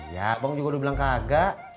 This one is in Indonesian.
ya abang juga udah bilang kagak